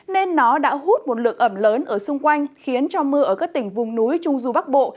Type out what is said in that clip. nên nó đã hút một lượng ẩm lớn ở xung quanh khiến cho mưa ở các tỉnh vùng núi trung du bắc bộ